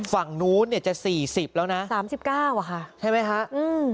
ฝั่งนู้นเนี่ยจะสี่สิบแล้วนะสามสิบเก้าอ่ะค่ะใช่ไหมฮะอืม